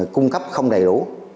cung cấp không đầy đủ